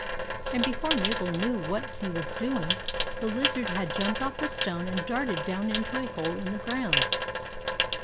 And before Mabel knew what he was doing, the lizard had jumped off the stone and darted down into a hole in the ground.